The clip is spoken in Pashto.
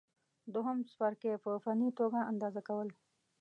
دوهم څپرکی: په فني توګه اندازه کول